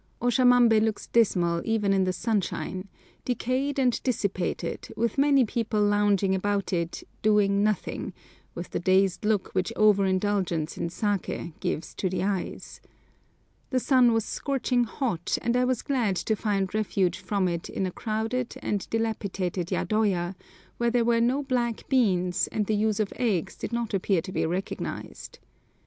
Oshamambé looks dismal even in the sunshine, decayed and dissipated, with many people lounging about in it doing nothing, with the dazed look which over indulgence in saké gives to the eyes. The sun was scorching hot, and I was glad to find refuge from it in a crowded and dilapidated yadoya, where there were no black beans, and the use of eggs did not appear to be recognised.